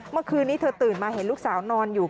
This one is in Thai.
เมื่อคืนนี้เธอตื่นมาเห็นลูกสาวนอนอยู่